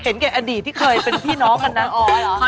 เห็นแก่อดีตที่เคยเป็นพี่น้องกัน